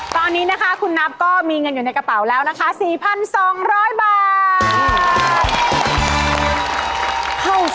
ตอนนี้นะคะคุณนับก็มีเงินอยู่ในกระเป๋าแล้วนะคะ๔๒๐๐บาท